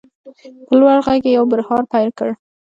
په لوړ غږ یې یو بړهار پیل کړ.